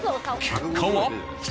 結果は？